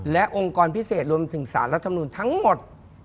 และองค์กรพิเศษรวมถึงสารรัฐมนุนทั้งหมด